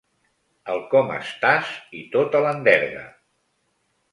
El com estàs i tota l'enderga.